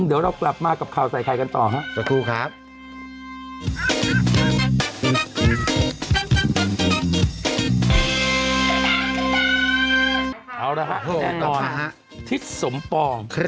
เอาล่ะค่ะแล้วตอนทิศสมปอง